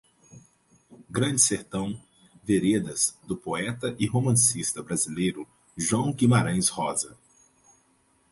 Grande Sertão: Veredas, do poeta e romancista brasileiro João Guimarães Rosa